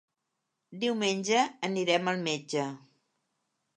Diumenge anirem al metge.